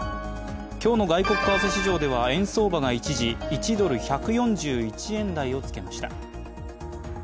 今日の外国為替市場では円相場が一時、１ドル＝１４１円台をつけました。